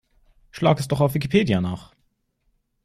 Schlag es doch auf Wikipedia nach!